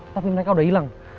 tapi mereka udah hilang